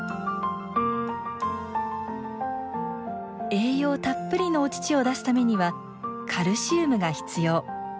栄養たっぷりのお乳を出すためにはカルシウムが必要。